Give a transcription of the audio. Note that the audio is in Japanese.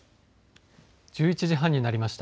１１時半になりました。